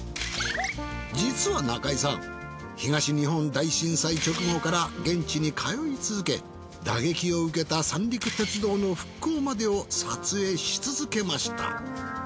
実は中井さん東日本大震災直後から現地に通い続け打撃を受けた三陸鉄道の復興までを撮影し続けました。